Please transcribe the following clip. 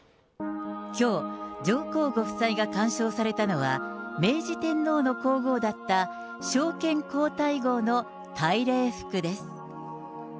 きょう、上皇ご夫妻が鑑賞されたのは、明治天皇の皇后だった昭憲皇太后の大礼服です。